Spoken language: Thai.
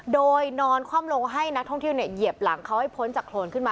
โดยนอนคว่ำลงให้นักท่องเที่ยวเหยียบหลังเขาให้พ้นจากโครนขึ้นมา